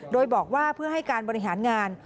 โดยบอกว่าเพื่อให้การบริหารงาน